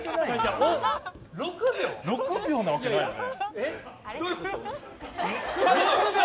６秒なわけないよね。